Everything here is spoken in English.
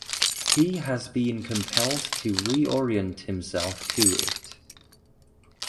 He has been compelled to reorient himself to it.